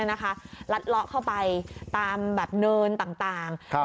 นะคะรัดเลาะเข้าไปตามแบบเนินต่างต่างครับ